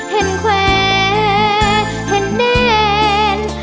เห็นแควร์เห็นเด่น